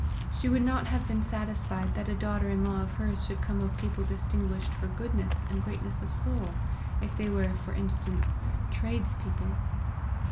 She would not have been satisfied that a daughter in law of hers should come of people distinguished for goodness and greatness of soul, if they were, for instance, tradespeople.